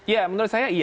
ya menurut saya iya